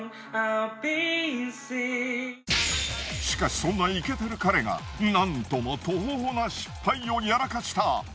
しかしそんなイケてる彼がなんともトホホな失敗をやらかした。